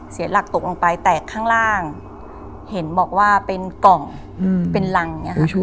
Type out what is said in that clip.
เสียหลักตกลงไปแตกข้างล่าง